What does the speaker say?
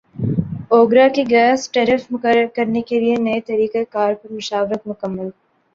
اوگرا کی gas tariff مقرر کرنے کیلئے نئے طریقہ کار پر مشاورت مکمل